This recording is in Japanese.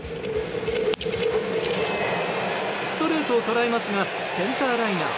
ストレートをとらえますがセンターライナー。